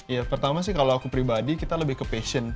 ya pertama sih kalau aku pribadi kita lebih ke passion